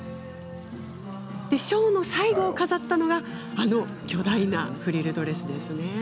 ショーの最後を飾ったのはあの巨大なフリルドレス。